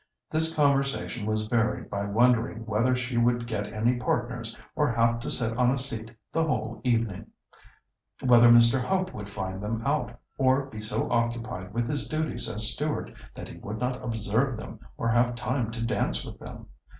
This conversation was varied by wondering whether she would get any partners, or have to sit on a seat the whole evening; whether Mr. Hope would find them out, or be so occupied with his duties as steward that he would not observe them or have time to dance with them.